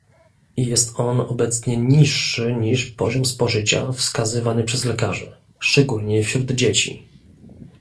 Jest on obecnie niższy niż poziom spożycia wskazywany przez lekarzy, szczególnie wśród dzieci